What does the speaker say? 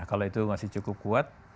kalau itu masih cukup kuat